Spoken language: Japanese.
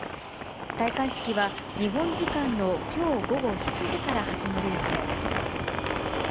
戴冠式は、日本時間のきょう午後７時から始まる予定です。